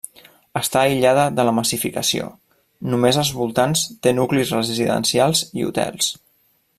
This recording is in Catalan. Està aïllada de la massificació; només als voltants té nuclis residencials i hotels.